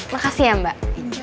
makasih ya mbak